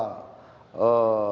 itu kan semakin menambah